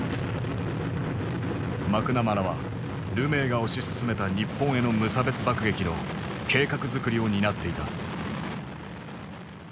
マクナマラはルメイが推し進めた日本への無差別爆撃の計画作りを担っていた。